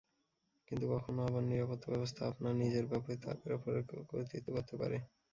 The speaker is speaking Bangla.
কিন্তু কখনো আবার নিরাপত্তাব্যবস্থা আপনার নিজের ব্যবহৃত অ্যাপের ওপরই কর্তৃত্ব করতে পারে।